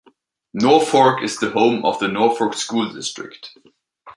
Norfork is the home of the Norfork School District.